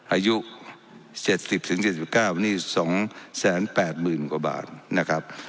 อายุเจ็ดสิบถึงเจ็ดสิบเก้าหนี้สองแสนแปดหมื่นกว่าบาทนะครับ